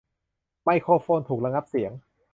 ไมโครโฟนถูกระงับเสียง